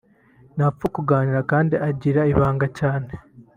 ntapfa kuganira kandi agira ibanga cyane